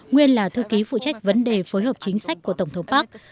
nguyên là thư ký phụ trách vấn đề phối hợp chính sách của tổng thống park